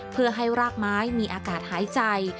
เพื่อให้รากไม้มีอากาศหายใจ